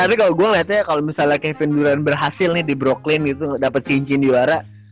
nah tapi kalo gue ngeliatnya kalo misalnya kevin duran berhasil nih di brocklyn gitu dapet cincin juara